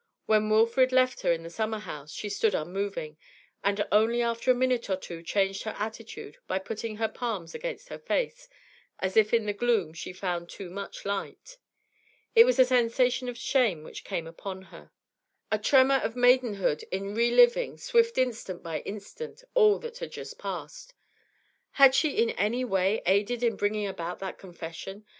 When Wilfrid left her in the summer house, she stood unmoving, and only after a minute or two changed her attitude by putting her palms against her face, as if in the gloom she found too much light. It was a sensation of shame which came upon her, a tremor of maidenhood in re living, swift instant by instant, all that had just passed. Had she in any way aided in bringing about that confession?